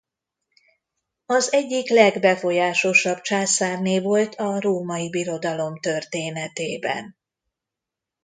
Az egyik legbefolyásosabb császárné volt a Római Birodalom történetében.